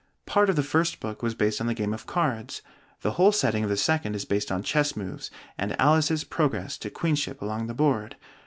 Part of the first book was based on the game of cards; the whole setting of the second is based on chess moves, and Alice's progress to queenship along the board.